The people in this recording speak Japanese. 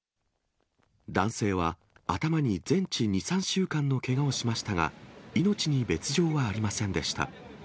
男性は頭に全治２、３週間のけがをしましたが、命に別状はありませんでした。